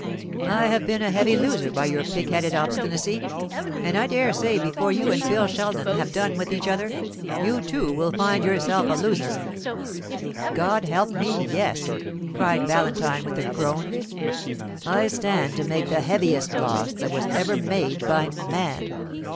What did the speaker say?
I have been a heavy loser by your pigheaded obstinacy; and I dare say before you and Phil Sheldon have done with each other, you too will find yourself a loser." "God help me, yes!" cried Valentine, with a groan; "I stand to make the heaviest loss that was ever made by man."